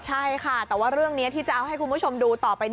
ใช่ค่ะแต่ว่าเรื่องนี้ที่จะเอาให้คุณผู้ชมดูต่อไป